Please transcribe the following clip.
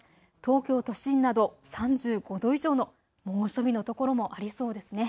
東京都心など３５度以上の猛暑日のところもありそうですね。